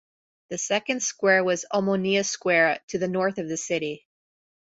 The second square was Omonoia Square, to the north of the city.